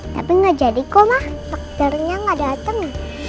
tapi nggak jadi kok ma dokternya nggak dateng